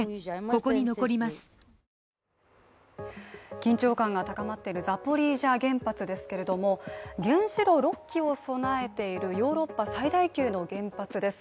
緊張感が高まっているザポリージャ原発ですけれども原子炉６基を備えているヨーロッパ最大級の原発です。